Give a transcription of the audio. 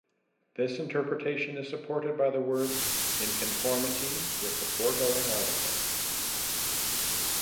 This interpretation is supported by the words "in conformity with the foregoing article".